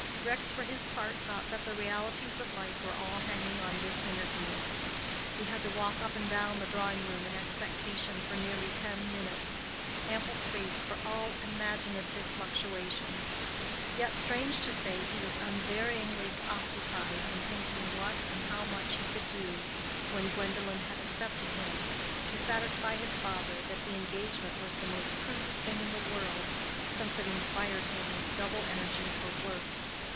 Rex for his part thought that the realities of life were all hanging on this interview. He had to walk up and down the drawing room in expectation for nearly ten minutes—ample space for all imaginative fluctuations; yet, strange to say, he was unvaryingly occupied in thinking what and how much he could do, when Gwendolen had accepted him, to satisfy his father that the engagement was the most prudent thing in the world, since it inspired him with double energy for work.